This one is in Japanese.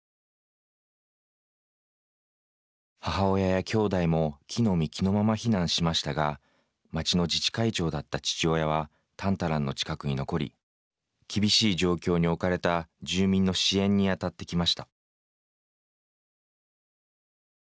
母親や、きょうだいも着の身着のまま避難しましたが町の自治会長だった父親はタンタランの近くに残り厳しい状況におかれた住民の支援にあたってきました。